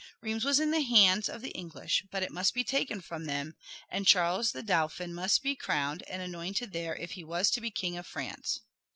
Rheims was in the hands of the English, but it must be taken from them, and Charles the Dauphin must be crowned and anointed there if he was to be King of France.